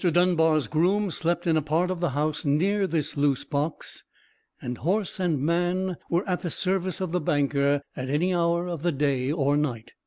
Dunbar's groom slept in a part of the house near this loose box: and horse and man were at the service of the banker at any hour of the day or night.